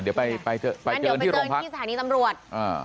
เดี๋ยวไปเจอที่สถานีตำรวจ